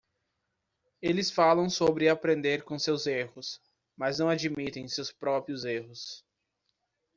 Eles falam sobre aprender com seus erros, mas não admitem seus próprios erros.